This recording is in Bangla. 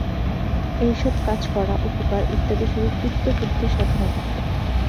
এই সব কাজ করা, উপকার ইত্যাদি শুধু চিত্তশুদ্ধির সাধনা মাত্র।